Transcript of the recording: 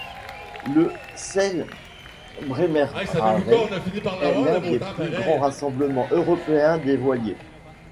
Le Sail Bremerhaven est l'un des plus grands rassemblements européens de voiliers.